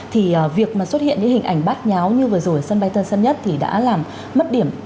thì việc mà xuất hiện những hình ảnh bát nháo như vừa rồi ở sân bay tân sơn nhất thì đã làm mất điểm